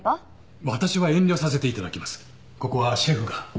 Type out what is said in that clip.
ここはシェフが。